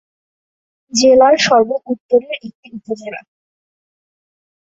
জেলার সর্ব উত্তরের একটি উপজেলা।